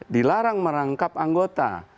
dilarang merangkap anggota